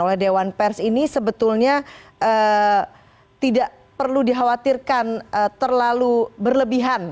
oleh dewan pers ini sebetulnya tidak perlu dikhawatirkan terlalu berlebihan